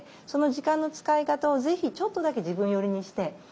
その時間の使い方をぜひちょっとだけ自分寄りにして。